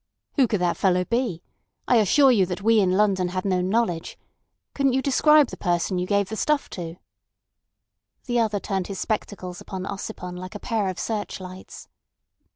"Who could that fellow be? I assure you that we in London had no knowledge—Couldn't you describe the person you gave the stuff to?" The other turned his spectacles upon Ossipon like a pair of searchlights.